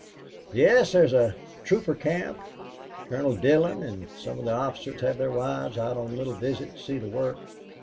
"Yes. There's a trooper camp. Colonel Dillon an' some of the officers have their wives out on a little visit to see the work.